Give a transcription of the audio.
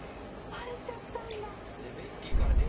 バレちゃったんだ。